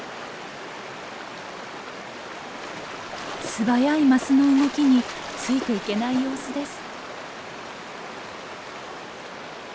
素早いマスの動きについていけない様子です。